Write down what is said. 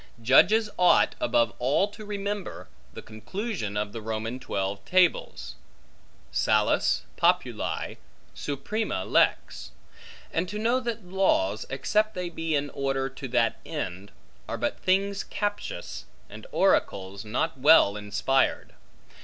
Judges ought above all to remember the conclusion of the Roman Twelve Tables; Salus populi suprema lex; and to know that laws, except they be in order to that end, are but things captious, and oracles not well inspired.